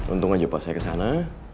untungnya jepat saya kesana